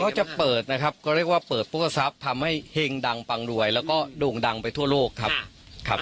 เขาจะเปิดนะครับก็เรียกว่าเปิดปุ๊กทรัพย์ทำให้เฮงดังปังรวยแล้วก็โด่งดังไปทั่วโลกครับ